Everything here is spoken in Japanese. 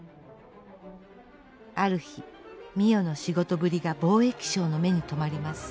ある日美世の仕事ぶりが貿易商の目にとまります。